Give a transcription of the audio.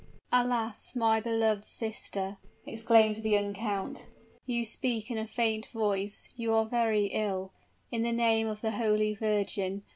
"Alas! my beloved sister," exclaimed the young count, "you speak in a faint voice, you are very ill! In the name of the Holy Virgin!